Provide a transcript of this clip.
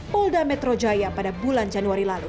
polda metro jaya pada bulan januari lalu